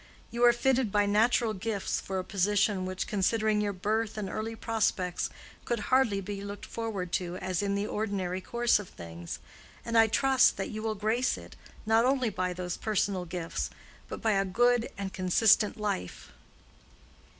You are fitted by natural gifts for a position which, considering your birth and early prospects, could hardly be looked forward to as in the ordinary course of things; and I trust that you will grace it, not only by those personal gifts, but by a good and consistent life."